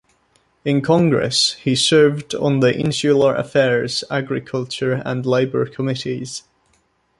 In Congress, he served on the Insular Affairs, Agriculture, and Labor committees.